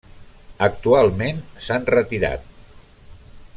Actualment s'han retirat.